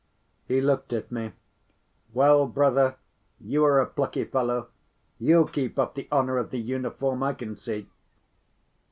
He looked at me. "Well, brother, you are a plucky fellow, you'll keep up the honor of the uniform, I can see."